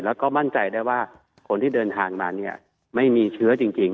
แล้วก็มั่นใจได้ว่าคนที่เดินทางมาเนี่ยไม่มีเชื้อจริง